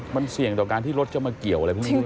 มันเสี่ยงต่อการที่รถจะมาเกี่ยวอะไรพวกนี้